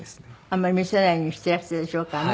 あんまり見せないようにしていらしたでしょうからね